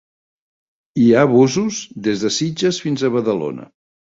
Hi ha busos des de sitges fins a Badalona.